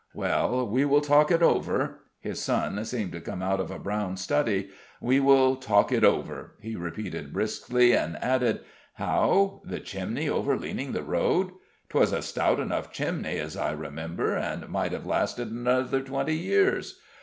"Well, we will talk it over." His son seemed to come out of a brown study. "We will talk it over," he repeated briskly, and added, "How? The chimney overleaning the road? 'Twas a stout enough chimney, as I remember, and might have lasted another twenty years.